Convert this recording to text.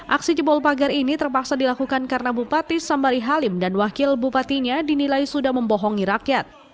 aksi jebol pagar ini terpaksa dilakukan karena bupati sambari halim dan wakil bupatinya dinilai sudah membohongi rakyat